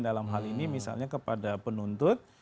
dalam hal ini misalnya kepada penuntut